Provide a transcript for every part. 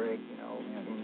Okay. Good morning, everyone.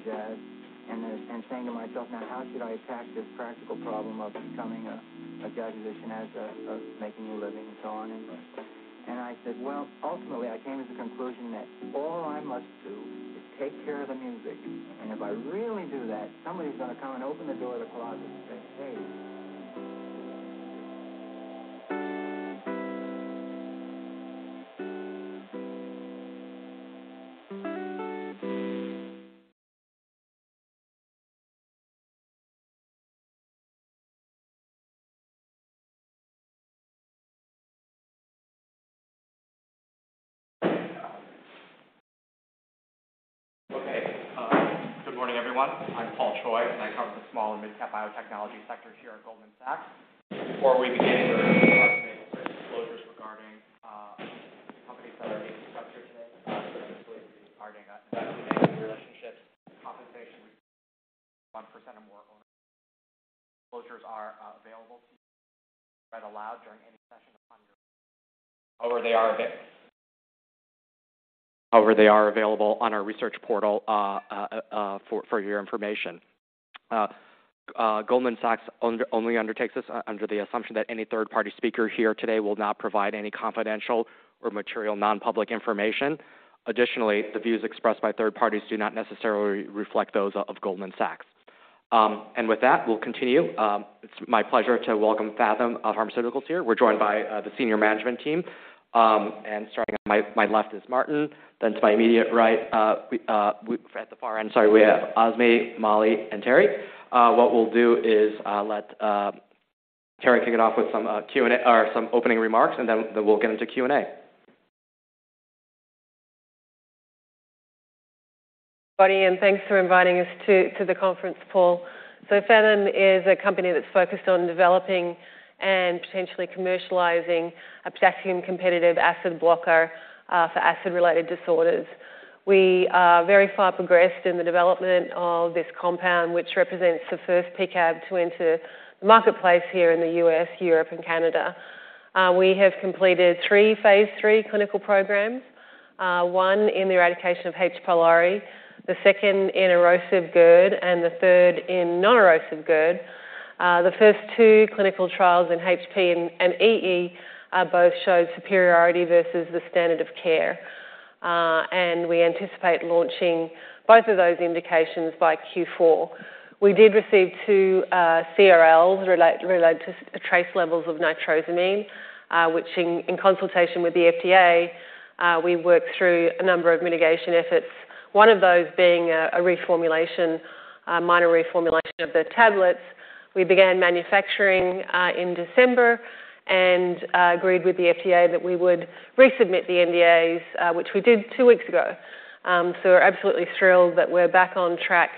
I'm Paul Choi, and I come from the small and mid-cap biotechnology sector here at Goldman Sachs. Before we begin, we'd like to make certain disclosures regarding the companies that are being discussed here today. Completely regarding us investment relationships, compensation, 1% or more. Closures are available read aloud during any session on your... However, they are available on our research portal for your information. Goldman Sachs only undertakes this under the assumption that any third-party speaker here today will not provide any confidential or material non-public information. Additionally, the views expressed by third parties do not necessarily reflect those of Goldman Sachs. With that, we'll continue. It's my pleasure to welcome Phathom Pharmaceuticals here. We're joined by the senior management team. Starting on my left is Martin, then to my immediate right, at the far end, sorry, we have Azmi, Molly, and Terrie. What we'll do is let Terrie kick it off with some Q&A or some opening remarks, then we'll get into Q&A. Buddy, thanks for inviting us to the conference, Paul. Phathom is a company that's focused on developing and potentially commercializing a potassium-competitive acid blocker for acid-related disorders. We are very far progressed in the development of this compound, which represents the first PCAB to enter the marketplace here in the U.S., Europe, and Canada. We have completed three phase III clinical programs, one in the eradication of H. pylori, the second in erosive GERD, and the third in non-erosive GERD. The first two clinical trials in HP and EE, both showed superiority versus the standard of care, and we anticipate launching both of those indications by Q4. We did receive two CRLs related to trace levels of nitrosamine, which in consultation with the FDA, we worked through a number of mitigation efforts. One of those being a reformulation, a minor reformulation of the tablets. We began manufacturing in December and agreed with the FDA that we would resubmit the NDAs, which we did two weeks ago. We're absolutely thrilled that we're back on track,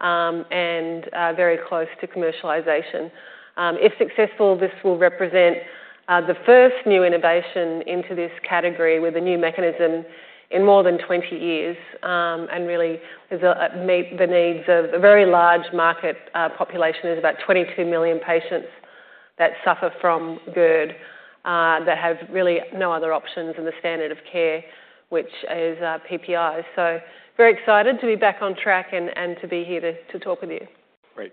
and very close to commercialization. If successful, this will represent the first new innovation into this category with a new mechanism in more than 20 years, and really is a meet the needs of a very large market. Population is about 22 million patients that suffer from GERD, that have really no other options in the standard of care, which is PPI. Very excited to be back on track and to be here to talk with you. Great.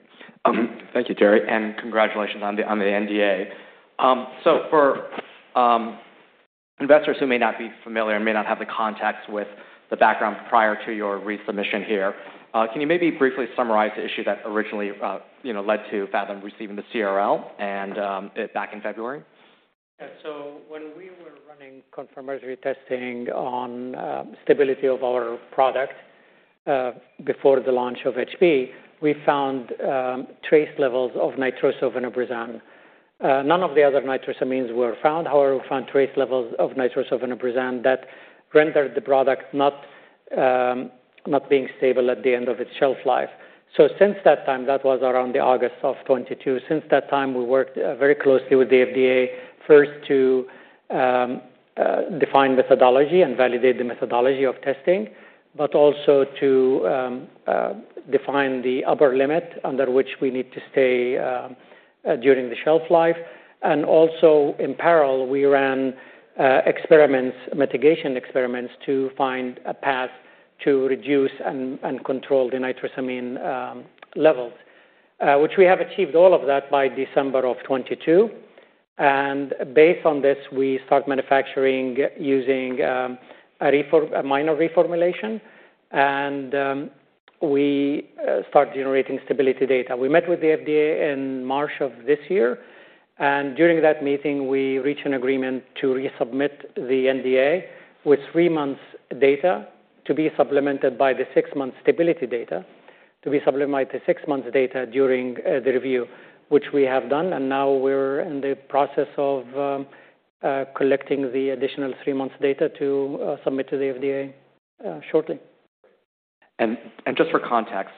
Thank you, Terrie, and congratulations on the, on the NDA. For investors who may not be familiar and may not have the context with the background prior to your resubmission here, can you maybe briefly summarize the issue that originally, you know, led to Phathom receiving the CRL and back in February? Yeah. When we were running confirmatory testing on stability of our product before the launch of H. pylori, we found trace levels of N-nitroso-vonoprazan. None of the other nitrosamines were found. However, we found trace levels of N-nitroso-vonoprazan that rendered the product not being stable at the end of its shelf life. Since that time, that was around the August of 2022. Since that time, we worked very closely with the FDA, first to define methodology and validate the methodology of testing, but also to define the upper limit under which we need to stay during the shelf life. Also in parallel, we ran experiments, mitigation experiments, to find a path to reduce and control the nitrosamine levels. Which we have achieved all of that by December of 2022. Based on this, we start manufacturing using a minor reformulation, and we start generating stability data. We met with the FDA in March of this year, and during that meeting, we reached an agreement to resubmit the NDA with three months data, to be supplemented by the six-month stability data, to be supplemented by the six-month data during the review, which we have done, and now we're in the process of collecting the additional three months data to submit to the FDA shortly. Just for context,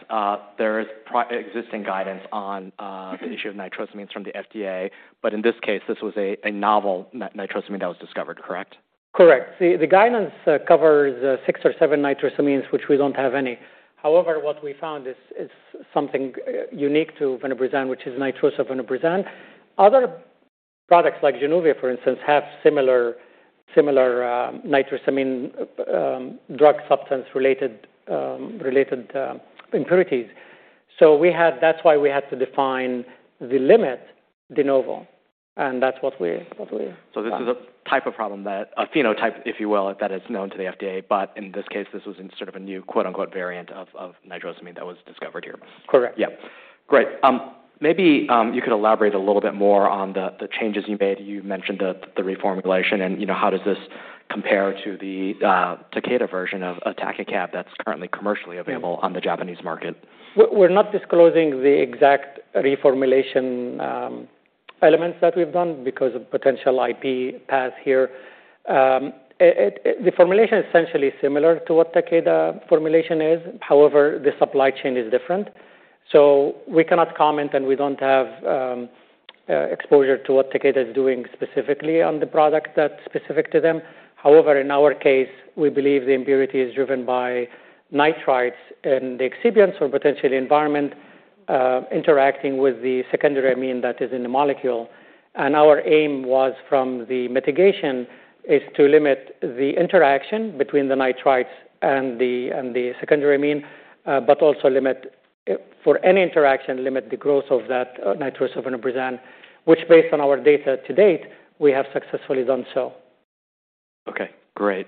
there is existing guidance on the issue of nitrosamines from the FDA, in this case, this was a novel nitrosamine that was discovered, correct? Correct. The guidance covers six or seven nitrosamines, which we don't have any. However, what we found is something unique to vonoprazan, which is N-nitroso-vonoprazan. Other products like Januvia, for instance, have similar nitrosamine drug substance related related impurities. That's why we had to define the limit de novo, and that's what we, what we. This is a type of problem that, a phenotype, if you will, that is known to the FDA, but in this case, this was in sort of a new quote-unquote variant of nitrosamine that was discovered here? Correct. Yeah. Great. Maybe, you could elaborate a little bit more on the changes you made. You mentioned the reformulation and, you know, how does this compare to the Takeda version of Takecab that's currently commercially available. Yeah on the Japanese market? We're not disclosing the exact reformulation elements that we've done because of potential IP paths here. The formulation is essentially similar to what Takeda formulation is, however, the supply chain is different. We cannot comment, and we don't have exposure to what Takeda is doing specifically on the product that's specific to them. In our case, we believe the impurity is driven by nitrites in the excipients or potentially environment interacting with the secondary amine that is in the molecule. Our aim was from the mitigation, is to limit the interaction between the nitrites and the secondary amine, but also limit for any interaction, limit the growth of that N-nitroso-vonoprazan, which based on our data to date, we have successfully done so. Okay, great.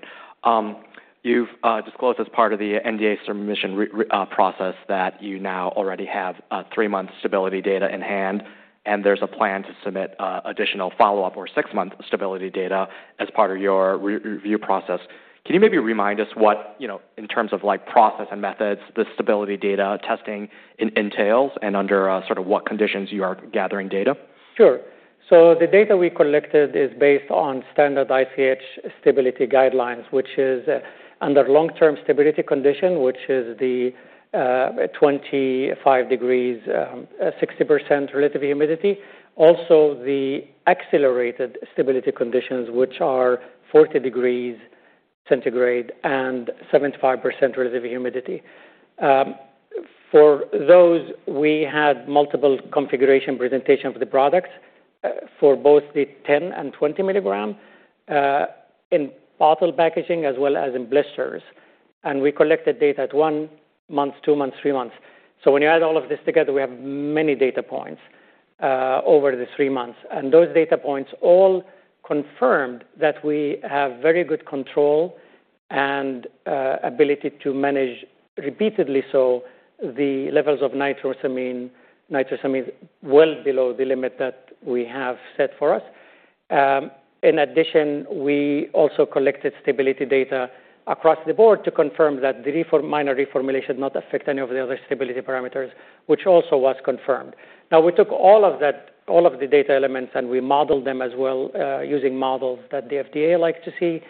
You've disclosed as part of the NDA submission process, that you now already have three-month stability data in hand, and there's a plan to submit additional follow-up or six-month stability data as part of your review process. Can you maybe remind us what, you know, in terms of like, process and methods, the stability data testing entails and under, sort of what conditions you are gathering data? Sure. The data we collected is based on standard ICH stability guidelines, which is under long-term stability condition, which is the 25 degrees, 60% relative humidity. The accelerated stability conditions, which are 40 degrees centigrade and 75% relative humidity. For those, we had multiple configuration presentation for the products, for both the 10 and 20 milligram, in bottle packaging as well as in blisters, and we collected data at one month, two months, three months. When you add all of this together, we have many data points over the three months, and those data points all confirmed that we have very good control and ability to manage, repeatedly so, the levels of nitrosamine, nitrosamines, well below the limit that we have set for us. In addition, we also collected stability data across the board to confirm that the minor reformulation did not affect any of the other stability parameters, which also was confirmed. We took all of the data elements, and we modeled them as well, using models that the FDA likes to see,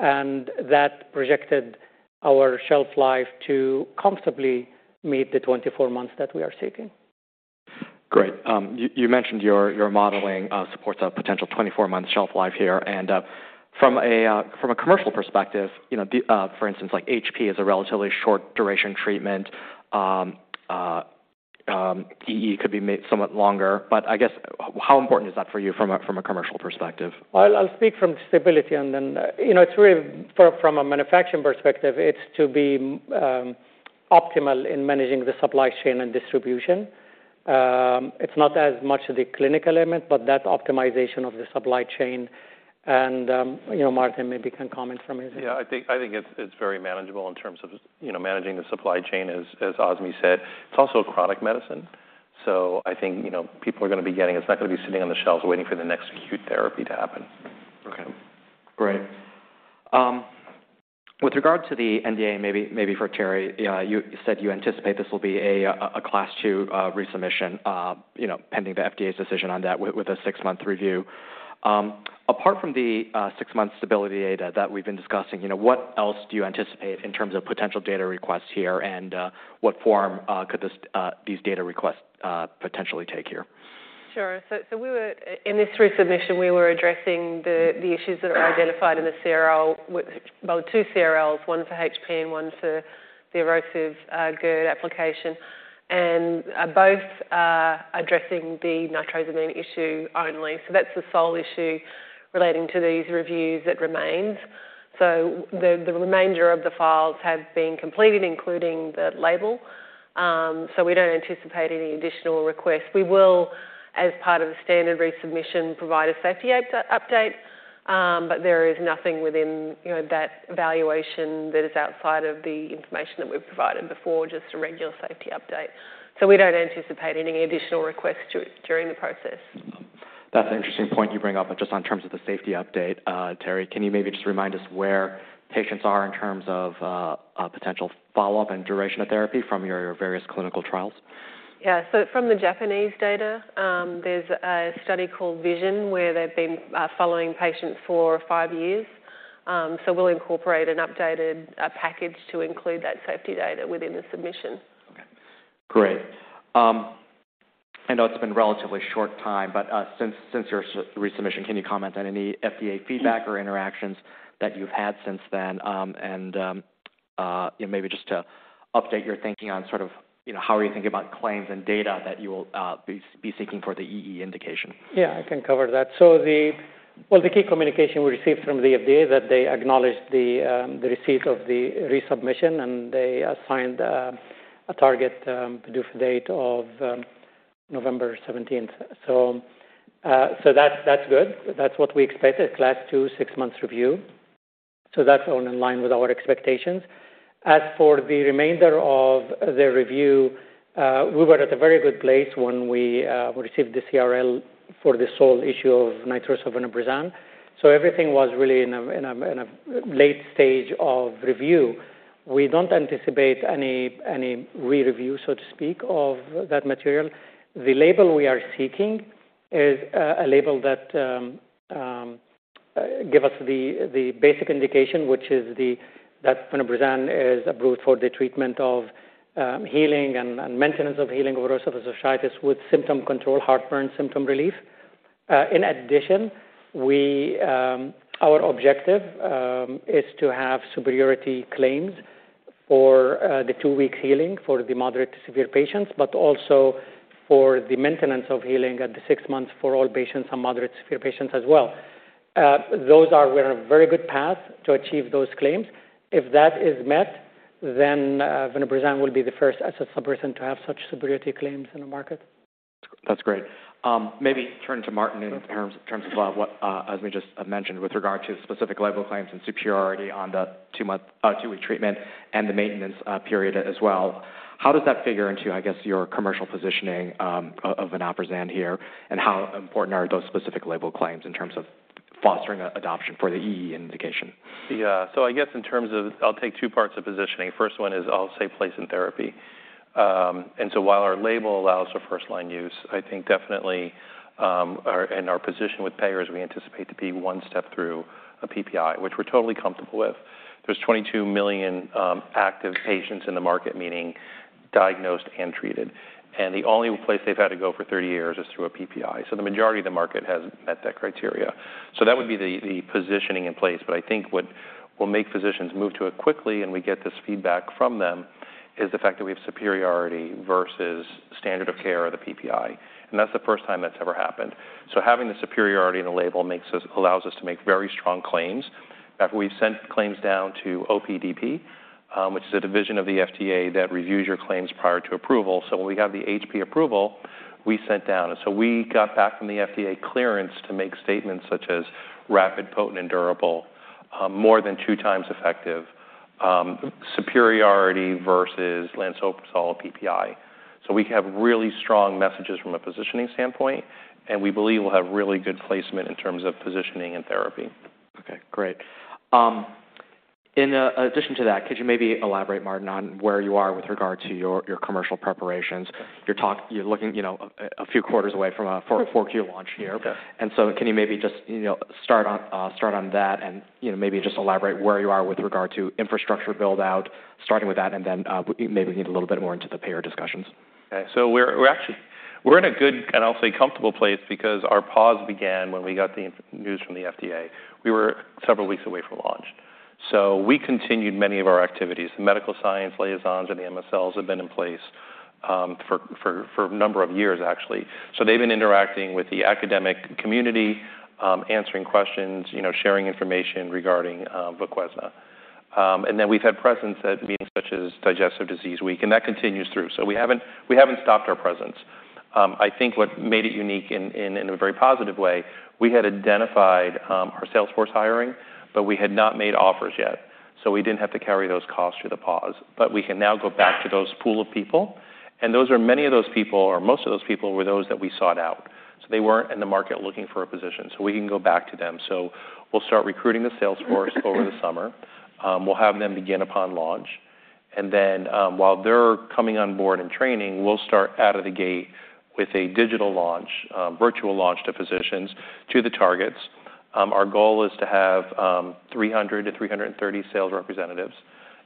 and that projected our shelf life to comfortably meet the 24 months that we are stating. Great. you mentioned your modeling supports a potential 24-month shelf life here, and from a commercial perspective, you know, the for instance, like H. pylori is a relatively short duration treatment. EoE could be made somewhat longer, but I guess, how important is that for you from a, from a commercial perspective? I'll speak from stability and then. You know, it's really from a manufacturing perspective, it's to be optimal in managing the supply chain and distribution. It's not as much the clinical element, but that optimization of the supply chain and, you know, Martin maybe can comment from his. Yeah, I think it's very manageable in terms of, you know, managing the supply chain, as Azmi said. It's also a chronic medicine, so I think, you know, people are gonna be getting... It's not gonna be sitting on the shelves waiting for the next acute therapy to happen. Okay, great. With regard to the NDA, maybe for Terrie, you said you anticipate this will be a Class two resubmission, you know, pending the FDA's decision on that with a six-month review. Apart from the six-month stability data that we've been discussing, you know, what else do you anticipate in terms of potential data requests here, and what form could these data requests potentially take here? Sure. We were in this resubmission, we were addressing the issues that are identified in the CRL, with well, two CRLs, one for HP and one for the erosive GERD application, both addressing the nitrosamine issue only. That's the sole issue relating to these reviews that remains. The remainder of the files have been completed, including the label, so we don't anticipate any additional requests. We will, as part of the standard resubmission, provide a safety update, but there is nothing within, you know, that evaluation that is outside of the information that we've provided before, just a regular safety update. We don't anticipate any additional requests during the process. That's an interesting point you bring up, but just on terms of the safety update, Terrie, can you maybe just remind us where patients are in terms of a potential follow-up and duration of therapy from your various clinical trials? Yeah. From the Japanese data, there's a study called VIVID, where they've been following patients for five years. We'll incorporate an updated package to include that safety data within the submission. Okay, great. I know it's been relatively short time, but since your resubmission, can you comment on any FDA feedback or interactions that you've had since then? Yeah, maybe just to update your thinking on sort of, you know, how are you thinking about claims and data that you will be seeking for the EE indication? I can cover that. The key communication we received from the FDA is that they acknowledged the receipt of the resubmission, and they assigned a target due date of November 17th. That's good. That's what we expected. Class two, six months review, that's all in line with our expectations. As for the remainder of the review, we were at a very good place when we received the CRL for the sole issue of N-nitroso-vonoprazan. Everything was really in a late stage of review. We don't anticipate any re-review, so to speak, of that material. The label we are seeking is a label that give us the basic indication, which is that vonoprazan is approved for the treatment of healing and maintenance of healing erosive esophagitis with symptom control, heartburn symptom relief. In addition, our objective is to have superiority claims for the two-week healing for the moderate to severe patients, but also for the maintenance of healing at the six months for all patients and moderate to severe patients as well. We're on a very good path to achieve those claims. If that is met, vonoprazan will be the first P-CAB to have such superiority claims in the market. That's great. Maybe turn to Martin in terms of what, as Azmi just mentioned, with regard to specific label claims and superiority on the two-month, two-week treatment and the maintenance period as well. How does that figure into, I guess, your commercial positioning of vonoprazan here? How important are those specific label claims in terms of fostering adoption for the EE indication? I guess in terms of... I'll take two parts of positioning. First one is, I'll say, place in therapy. While our label allows for first-line use, I think definitely, and our position with payers, we anticipate to be one step through a PPI, which we're totally comfortable with. There's 22 million active patients in the market, meaning diagnosed and treated, and the only place they've had to go for 30 years is through a PPI. The majority of the market has met that criteria. That would be the positioning in place. I think what will make physicians move to it quickly, and we get this feedback from them, is the fact that we have superiority versus standard of care or the PPI, and that's the first time that's ever happened. Having the superiority in the label allows us to make very strong claims. After we've sent claims down to OPDP, which is a division of the FDA that reviews your claims prior to approval. When we got the H. pylori approval, we sent down. We got back from the FDA clearance to make statements such as, "Rapid, potent, and durable, more than two times effective, superiority versus lansoprazole PPI." We have really strong messages from a positioning standpoint, and we believe we'll have really good placement in terms of positioning and therapy. Okay, great. In addition to that, could you maybe elaborate, Martin, on where you are with regard to your commercial preparations? You're looking, you know, a few quarters away for a four-quarter launch here. Okay. Can you maybe just, you know, start on, start on that and, you know, maybe just elaborate where you are with regard to infrastructure build-out, starting with that, and then, maybe get a little bit more into the payer discussions. Okay. We're actually, we're in a good, and I'll say comfortable place because our pause began when we got the news from the FDA. We were several weeks away from launch. We continued many of our activities. The medical science liaisons and the MSLs have been in place for a number of years, actually. They've been interacting with the academic community, answering questions, you know, sharing information regarding Voquezna. We've had presence at meetings such as Digestive Disease Week, and that continues through. We haven't stopped our presence. I think what made it unique in a very positive way, we had identified our sales force hiring, but we had not made offers yet, so we didn't have to carry those costs through the pause. We can now go back to those pool of people, and those are, many of those people, or most of those people, were those that we sought out. They weren't in the market looking for a position, so we can go back to them. We'll start recruiting the sales force over the summer. We'll have them begin upon launch, and then, while they're coming on board and training, we'll start out of the gate with a digital launch, virtual launch to physicians, to the targets. Our goal is to have 300-330 sales representatives,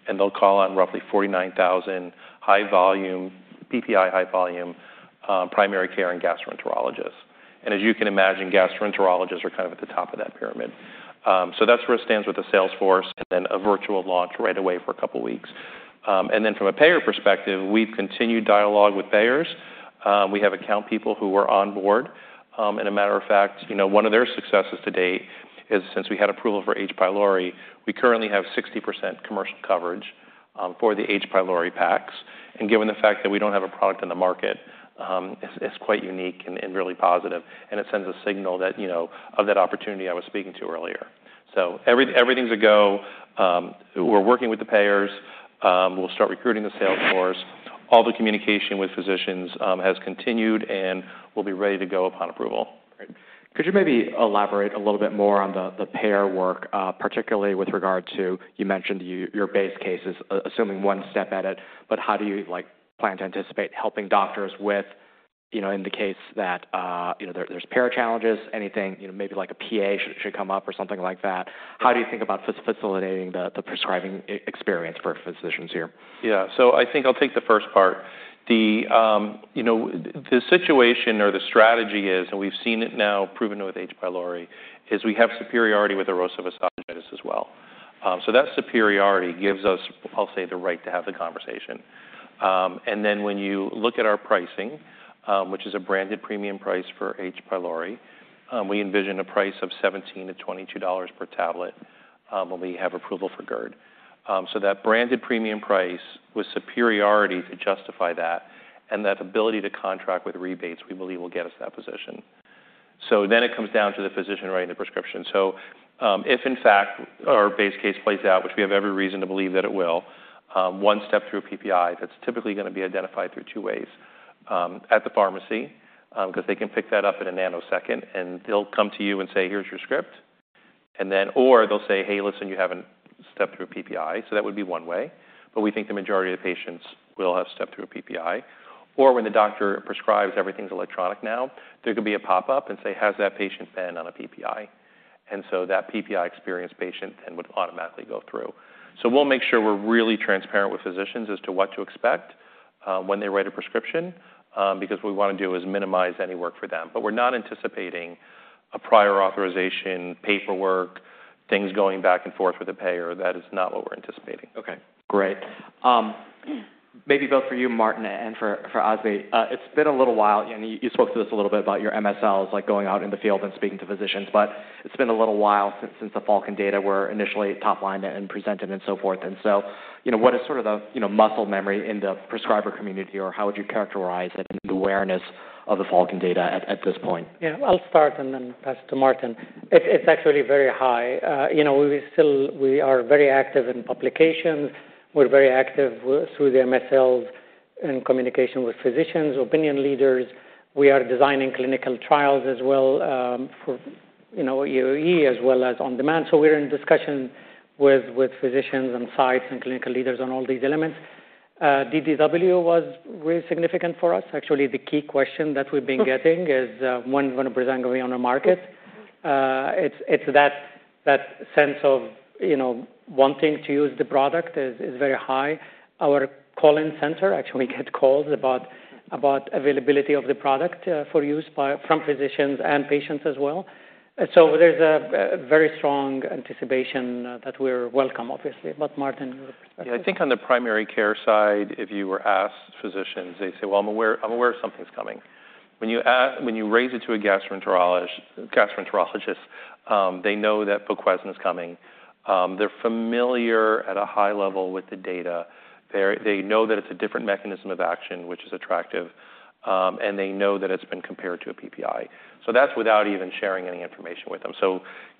and they'll call on roughly 49,000 high-volume, PPI high-volume, primary care and gastroenterologists. As you can imagine, gastroenterologists are kind of at the top of that pyramid. That's where it stands with the sales force and then a virtual launch right away for a couple of weeks. From a payer perspective, we've continued dialogue with payers. We have account people who are on board. A matter of fact, you know, one of their successes to date is, since we had approval for H. pylori, we currently have 60% commercial coverage for the H. pylori packs, and given the fact that we don't have a product on the market, is quite unique and really positive, and it sends a signal that, you know, of that opportunity I was speaking to earlier. Everything's a go. We're working with the payers. We'll start recruiting the sales force. All the communication with physicians has continued, and we'll be ready to go upon approval. Great. Could you maybe elaborate a little bit more on the payer work, particularly with regard to, you mentioned your base cases, assuming one step at it, but how do you, like, plan to anticipate helping doctors with, you know, in the case that, you know, there's payer challenges, anything, you know, maybe like a PA should come up or something like that? How do you think about facilitating the prescribing experience for physicians here? I think I'll take the first part. You know, the situation or the strategy is, and we've seen it now proven with H. pylori, is we have superiority with erosive esophagitis as well. That superiority gives us, I'll say, the right to have the conversation. When you look at our pricing, which is a branded premium price for H. pylori, we envision a price of $17-$22 per tablet, when we have approval for GERD. That branded premium price with superiority to justify that, and that ability to contract with rebates, we believe, will get us that position. It comes down to the physician writing the prescription. If in fact, our base case plays out, which we have every reason to believe that it will, one step through a PPI, that's typically going to be identified through two ways. At the pharmacy, 'cause they can pick that up in a nanosecond, and they'll come to you and say, "Here's your script." Or they'll say, "Hey, listen, you haven't stepped through a PPI." That would be one way, but we think the majority of the patients will have stepped through a PPI. When the doctor prescribes, everything's electronic now, there could be a pop-up and say, "Has that patient been on a PPI?" That PPI experienced patient then would automatically go through. We'll make sure we're really transparent with physicians as to what to expect, when they write a prescription, because what we wanna do is minimize any work for them. We're not anticipating a prior authorization, paperwork, things going back and forth with the payer. That is not what we're anticipating. Okay, great. Maybe both for you, Martin, and for Azmi. It's been a little while, and you spoke to us a little bit about your MSLs, like going out in the field and speaking to physicians, but it's been a little while since the PHALCON data were initially top-lined and presented and so forth. You know, what is sort of the, you know, muscle memory in the prescriber community, or how would you characterize it, the awareness of the PHALCON data at this point? Yeah, I'll start and then pass to Martin. It's actually very high. you know, We are very active in publications. We're very active through the MSLs and in communication with physicians, opinion leaders. We are designing clinical trials as well, for, you know, EE as well as on-demand. We're in discussion with physicians and sites and clinical leaders on all these elements. DDW was really significant for us. Actually, the key question that we've been getting is, when Voquezna going on the market. It's that sense of, you know, wanting to use the product is very high. Our call-in center actually get calls about availability of the product, from physicians and patients as well. There's a very strong anticipation that we're welcome, obviously. Martin, your perspective. Yeah, I think on the primary care side, if you were asked, physicians, they'd say, "Well, I'm aware, I'm aware something's coming." When you when you raise it to a gastroenterologist, they know that Voquezna is coming. They're familiar at a high level with the data. They know that it's a different mechanism of action, which is attractive, and they know that it's been compared to a PPI. That's without even sharing any information with them.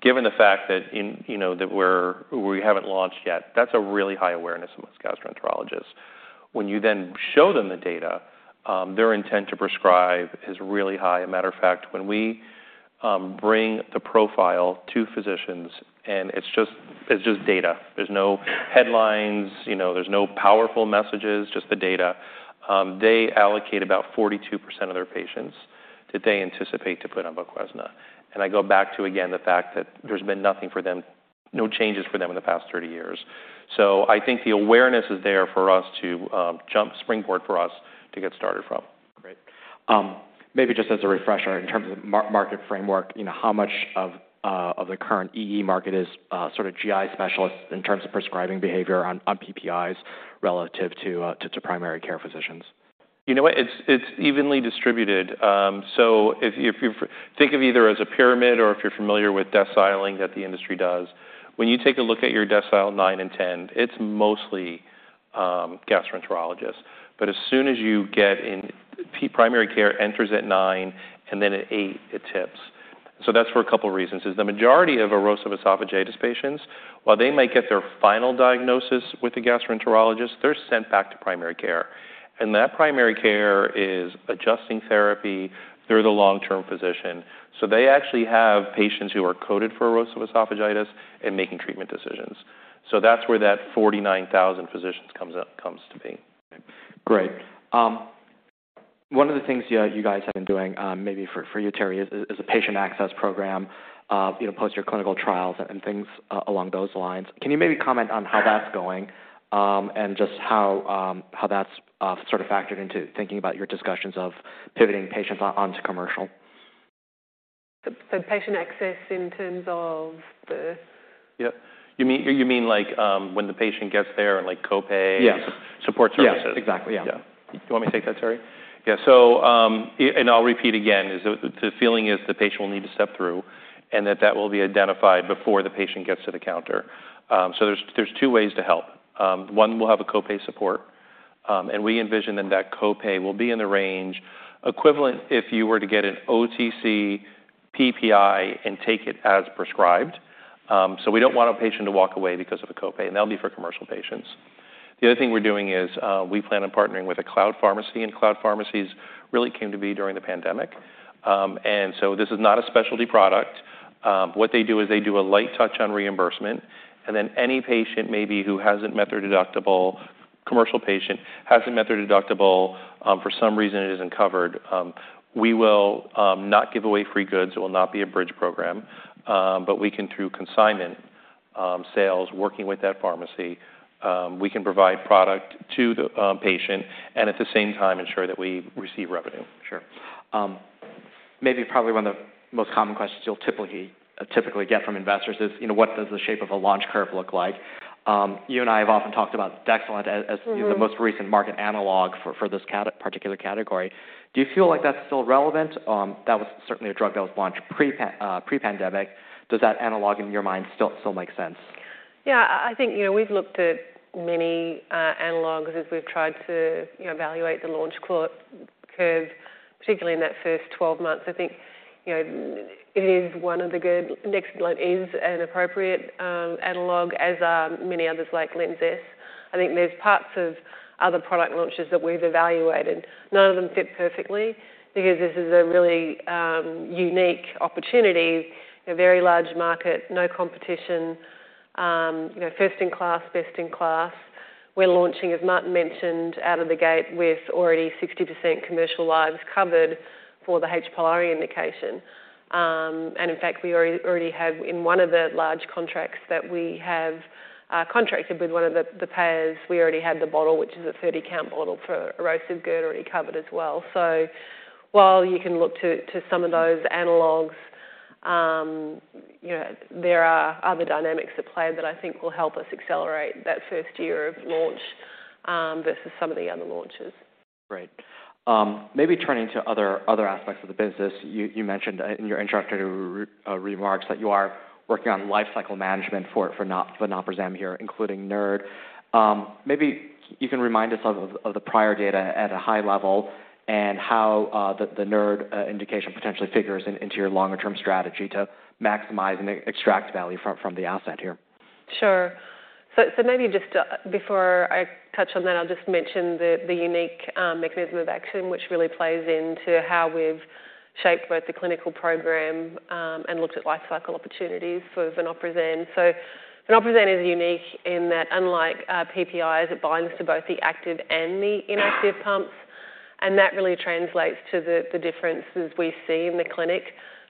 Given the fact that you know, that we haven't launched yet, that's a really high awareness amongst gastroenterologists. When you then show them the data, their intent to prescribe is really high. A matter of fact, when we bring the profile to physicians, and it's just, it's just data. There's no headlines, you know, there's no powerful messages, just the data. They allocate about 42% of their patients that they anticipate to put on Voquezna. I go back to, again, the fact that there's been nothing for them, no changes for them in the past 30 years. I think the awareness is there for us to jump springboard for us to get started from. Great. maybe just as a refresher, in terms of market framework, you know, how much of the current EE market is sort of GI specialists in terms of prescribing behavior on PPIs relative to primary care physicians? You know what? It's, it's evenly distributed. If you think of either as a pyramid or if you're familiar with deciling that the industry does, when you take a look at your decile nine and 10, it's mostly gastroenterologists. Primary care enters at nine, and then at eight, it tips. That's for a couple of reasons, is the majority of erosive esophagitis patients, while they might get their final diagnosis with a gastroenterologist, they're sent back to primary care, and that primary care is adjusting therapy, they're the long-term physician. They actually have patients who are coded for erosive esophagitis and making treatment decisions. That's where that 49,000 physicians comes to be. Great. One of the things you guys have been doing, maybe for you, Terrie, is a patient access program, you know, post your clinical trials and things along those lines. Can you maybe comment on how that's going, and just how that's sort of factored into thinking about your discussions of pivoting patients onto commercial? The patient access in terms of. Yep. You mean like, when the patient gets there, like copay? Yes. Support services. Yes, exactly. Yeah. Yeah. You want me to take that, Terrie? Yeah. I'll repeat again, is the feeling is the patient will need to step through, and that that will be identified before the patient gets to the counter. There's two ways to help. One, we'll have a copay support, and we envision that that copay will be in the range equivalent if you were to get an OTC PPI and take it as prescribed. We don't want a patient to walk away because of a copay, and that'll be for commercial patients. The other thing we're doing is, we plan on partnering with a cloud pharmacy, and cloud pharmacies really came to be during the pandemic. This is not a specialty product. What they do is they do a light touch on reimbursement, and then any patient maybe who hasn't met their deductible, commercial patient, hasn't met their deductible, for some reason it isn't covered, we will not give away free goods. It will not be a bridge program, but we can, through consignment. sales, working with that pharmacy, we can provide product to the patient and at the same time ensure that we receive revenue. Sure. Maybe probably one of the most common questions you'll typically get from investors is, you know, what does the shape of a launch curve look like? You and I have often talked about Dexilant. Mm-hmm. the most recent market analog for this particular category. Do you feel like that's still relevant? That was certainly a drug that was launched pre-pandemic. Does that analog, in your mind, still make sense? I think, you know, we've looked at many analogs as we've tried to, you know, evaluate the launch curve, because particularly in that first 12 months, I think, you know, Dexilant is an appropriate analog, as are many others, like Linzess. I think there's parts of other product launches that we've evaluated. None of them fit perfectly, because this is a really unique opportunity, a very large market, no competition, you know, first-in-class, best-in-class. We're launching, as Martin mentioned, out of the gate with already 60% commercial lives covered for the H. pylori indication. In fact, we already have in one of the large contracts that we have contracted with one of the payers, we already have the bottle, which is a 30-count bottle for erosive GERD already covered as well. While you can look to some of those analogs, you know, there are other dynamics at play that I think will help us accelerate that first year of launch versus some of the other launches. Great. Maybe turning to other aspects of the business, you mentioned in your introductory remarks that you are working on lifecycle management for vonoprazan here, including NERD. Maybe you can remind us of the prior data at a high level and how the NERD indication potentially figures into your longer term strategy to maximize and extract value from the asset here. Sure. Maybe just, before I touch on that, I'll just mention the unique mechanism of action, which really plays into how we've shaped both the clinical program and looked at lifecycle opportunities for vonoprazan. Vonoprazan is unique in that unlike PPIs, it binds to both the active and the inactive pumps, and that really translates to the differences we see in the clinic.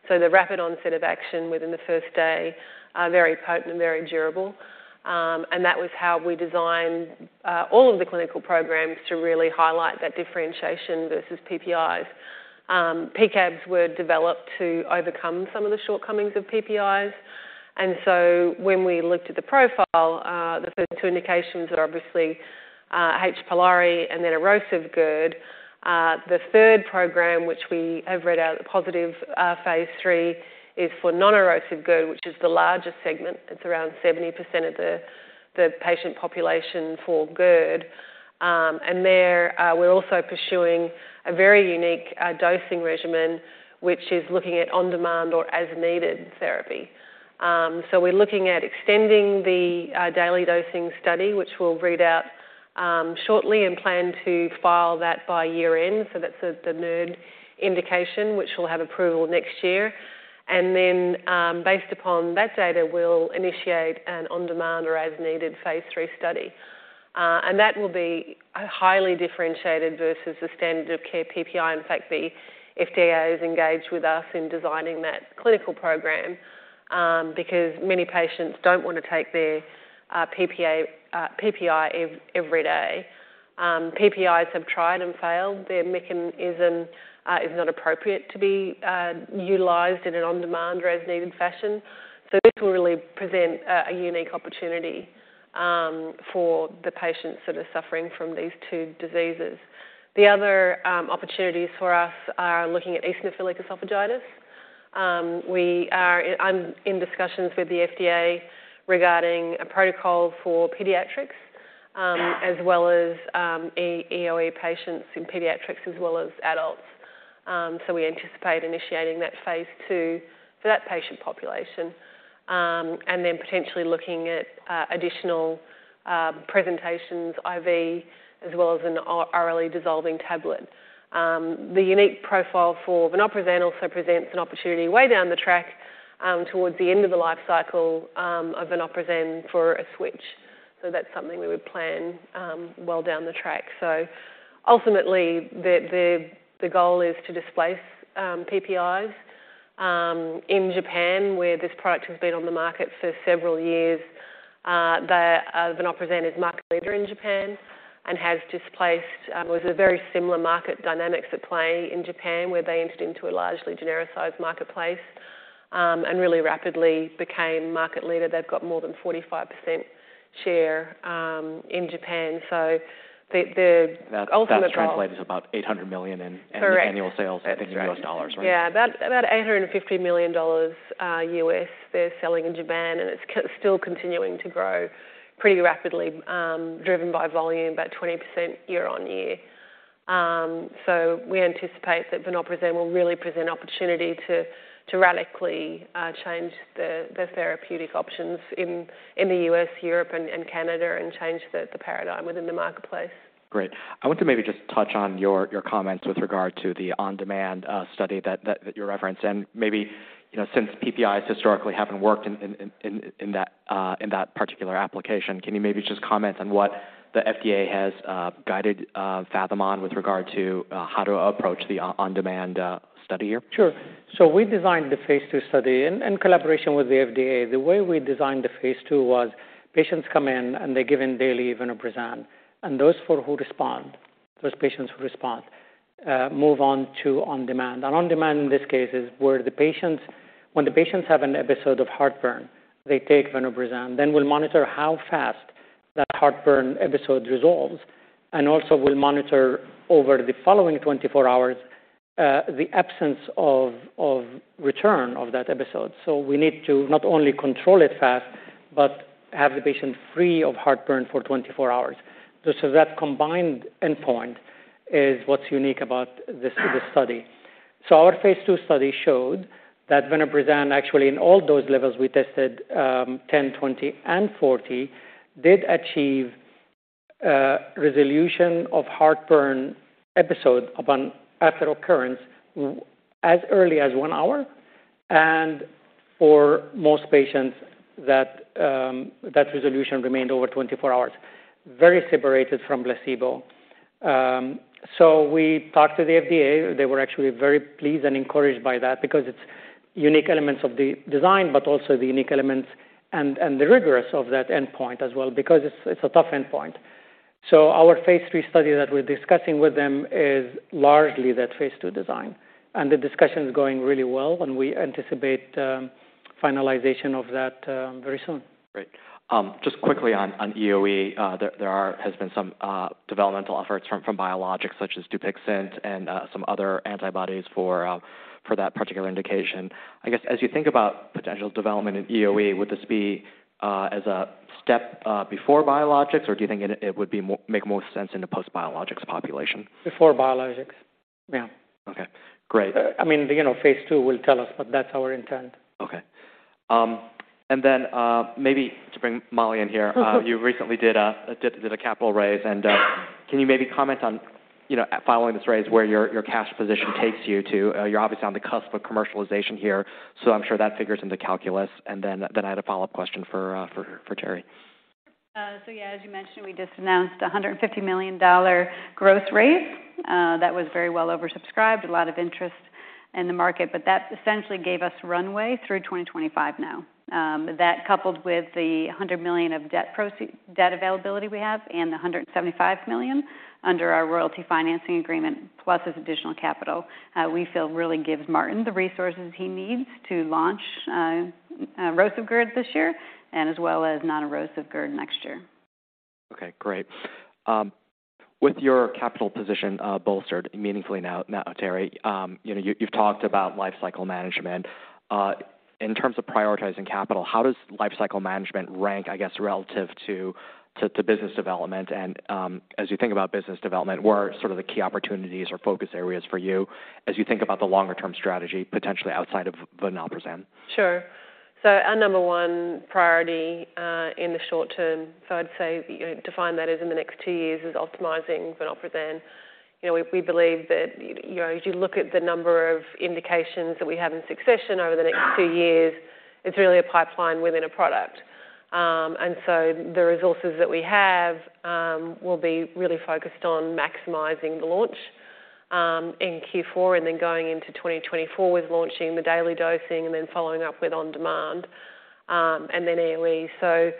The rapid onset of action within the first day are very potent and very durable. And that was how we designed all of the clinical programs to really highlight that differentiation versus PPIs. When we looked at the profile, the first two indications are obviously H. pylori and then erosive GERD. The third program, which we have read out a positive phase III, is for non-erosive GERD, which is the largest segment. It's around 70% of the patient population for GERD. And there, we're also pursuing a very unique dosing regimen, which is looking at on-demand or as-needed therapy. We're looking at extending the daily dosing study, which we'll read out shortly and plan to file that by year-end. That's the NERD indication, which will have approval next year. Based upon that data, we'll initiate an on-demand or as-needed phase III study. And that will be a highly differentiated versus the standard of care PPI. In fact, the FDA has engaged with us in designing that clinical program because many patients don't want to take their PPI every day. PPIs have tried and failed. Their mechanism is not appropriate to be utilized in an on-demand or as-needed fashion. This will really present a unique opportunity for the patients that are suffering from these two diseases. The other opportunities for us are looking at eosinophilic esophagitis. I'm in discussions with the FDA regarding a protocol for pediatrics, as well as EoE patients in pediatrics as well as adults. We anticipate initiating that phase II for that patient population. Potentially looking at additional presentations, IV, as well as an orally dissolving tablet. The unique profile for vonoprazan also presents an opportunity way down the track, towards the end of the life cycle of vonoprazan for a switch. That's something we would plan well down the track. Ultimately, the goal is to displace PPIs. In Japan, where this product has been on the market for several years, vonoprazan is market leader in Japan and has displaced. It was a very similar market dynamics at play in Japan, where they entered into a largely genericized marketplace and really rapidly became market leader. They've got more than 45% share in Japan. the ultimate goal. That translates to about $800 million. Correct. annual sales in US dollars, right? Yeah. About $850 million, they're selling in Japan, it's still continuing to grow pretty rapidly, driven by volume, about 20% year-on-year. We anticipate that vonoprazan will really present opportunity to radically change the therapeutic options in the US, Europe, and Canada and change the paradigm within the marketplace. Great. I want to maybe just touch on your comments with regard to the on-demand study that you referenced, and maybe, you know, since PPIs historically haven't worked in that particular application, can you maybe just comment on what the FDA has guided Phathom on with regard to how to approach the on-demand study here? Sure. We designed the phase II study in collaboration with the FDA. The way we designed the phase II was patients come in, and they're given daily vonoprazan. Those four who respond, those patients who respond, move on to on-demand. On-demand, in this case, is where the patients when the patients have an episode of heartburn, they take vonoprazan. We'll monitor how fast that heartburn episode resolves, and also we'll monitor over the following 24 hours, the absence of return of that episode. We need to not only control it fast, but have the patient free of heartburn for 24 hours. That combined endpoint is what's unique about this study. Our phase II study showed that vonoprazan, actually, in all those levels we tested, 10, 20, and 40, did achieve resolution of heartburn episode after occurrence as early as 1 hour, and for most patients, that resolution remained over 24 hours. Very separated from placebo. We talked to the FDA. They were actually very pleased and encouraged by that because it's unique elements of the design, but also the unique elements and the rigorous of that endpoint as well, because it's a tough endpoint. Our phase III study that we're discussing with them is largely that phase II design, and the discussion is going really well and we anticipate finalization of that very soon. Great. Just quickly on EoE, there has been some developmental efforts from biologics such as DUPIXENT and some other antibodies for that particular indication. I guess, as you think about potential development in EoE, would this be as a step before biologics, or do you think it would make more sense in a post-biologics population? Before biologics. Yeah. Okay, great. I mean, you know, phase II will tell us, but that's our intent. Okay. Maybe to bring Molly in here, you recently did a capital raise, can you maybe comment on, you know, following this raise, where your cash position takes you to? You're obviously on the cusp of commercialization here, so I'm sure that figures into calculus. Then I had a follow-up question for Terrie. Yeah, as you mentioned, we just announced a $150 million gross raise. That was very well oversubscribed, a lot of interest in the market, that essentially gave us runway through 2025 now. That coupled with the $100 million of debt availability we have and the $175 million under our royalty financing agreement, plus this additional capital, we feel really gives Martin the resources he needs to launch erosive GERD this year and as well as non-erosive GERD next year. Okay, great. With your capital position, bolstered meaningfully now, Terrie, you know, you've talked about life cycle management. In terms of prioritizing capital, how does life cycle management rank, I guess, relative to business development? As you think about business development, where are sort of the key opportunities or focus areas for you as you think about the longer-term strategy, potentially outside of vonoprazan? Sure. Our number one priority, in the short term, so I'd say, you know, define that as in the next two years, is optimizing vonoprazan. You know, we believe that, you know, as you look at the number of indications that we have in succession over the next two years, it's really a pipeline within a product. The resources that we have will be really focused on maximizing the launch in Q4 and then going into 2024 with launching the daily dosing and then following up with on-demand, and then EoE. We,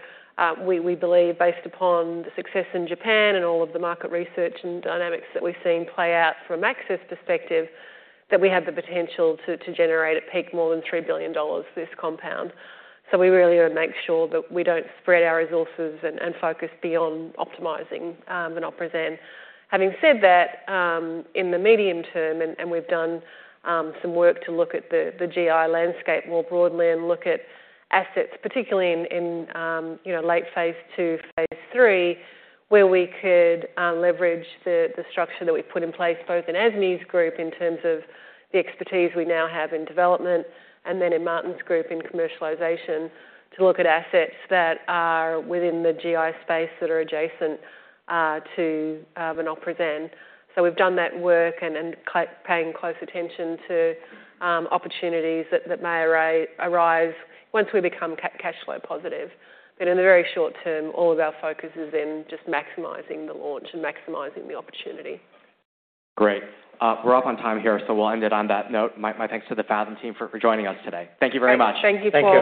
we believe, based upon the success in Japan and all of the market research and dynamics that we've seen play out from access perspective, that we have the potential to generate, at peak, more than $3 billion, this compound. We really want to make sure that we don't spread our resources and focus beyond optimizing vonoprazan. Having said that, in the medium term, and we've done some work to look at the GI landscape more broadly and look at assets, particularly in, you know, late phase II, phase III, where we could leverage the structure that we've put in place, both in Azmi's group, in terms of the expertise we now have in development, and then in Martin's group, in commercialization, to look at assets that are within the GI space that are adjacent to vonoprazan. We've done that work and paying close attention to opportunities that may arise once we become cash flow positive. In the very short term, all of our focus is in just maximizing the launch and maximizing the opportunity. Great. We're up on time here, so we'll end it on that note. My thanks to the Phathom team for joining us today. Thank you very much! Thank you, Paul. Thank you.